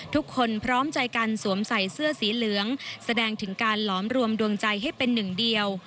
พร้อมใจกันสวมใส่เสื้อสีเหลืองแสดงถึงการหลอมรวมดวงใจให้เป็นหนึ่งเดียว